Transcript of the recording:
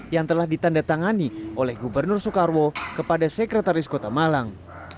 yang telah ditanda tangani oleh gubernur soekarwo kepada sekretaris kota malang